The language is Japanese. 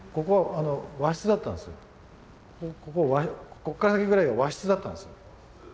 こっから先ぐらいが和室だったんです。